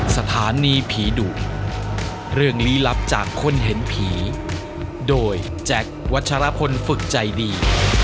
สถานีผีดุเรื่องลี้ลับจากคนเห็นผีโดยแจ็ควัชรพลฝึกใจดี